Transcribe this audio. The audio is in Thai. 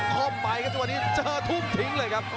เข้าไปตัวนี้เจอทุ่มทิ้งเลยครับ